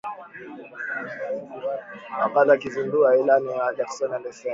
Wakati wa kuzindua ilani yake Wajackoya alisema